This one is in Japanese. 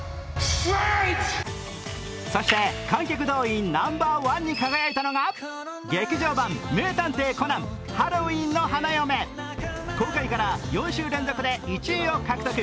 そして、観客動員ナンバーワンに輝いたのが劇場版「名探偵コナンハロウィンの花嫁」公開から４週連続で１位を獲得。